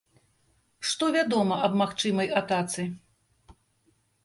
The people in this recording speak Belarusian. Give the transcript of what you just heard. Што вядома аб магчымай атацы?